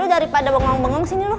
lo daripada bengong bengong sini lo